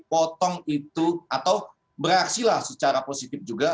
potong itu atau bereaksilah secara positif juga